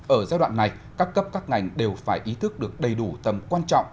ở giai đoạn này các cấp các ngành đều phải ý thức được đầy đủ tầm quan trọng